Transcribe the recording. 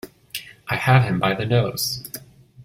I have him by the nose!